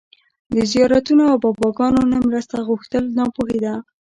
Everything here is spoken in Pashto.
د زيارتونو او باباګانو نه مرسته غوښتل ناپوهي ده